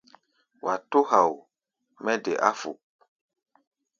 Wa tó hao mɛ́ de áfuk.